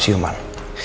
sedang di pembelian